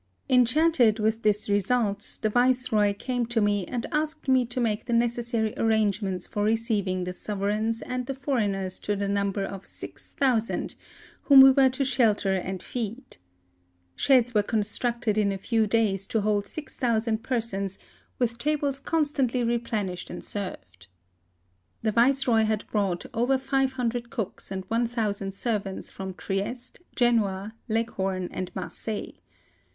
Enchanted with this result, the Viceroy came to me and asked me to make the ne cessary arrangements for receiving the sov ereigns and the foreigners to the number of 6000, whom we were to shelter and feed. Sheds were constructed in a few days to hold 600 persons, with tables constantly replenished and served. THE SUEZ CANAL. 81 The Viceroy had brought over 500 cooks and 1000 servants from Trieste, Genoa, Leghorn, and Marseilles.